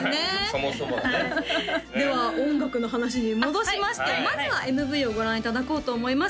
そもそもがねでは音楽の話に戻しましてまずはＭＶをご覧いただこうと思います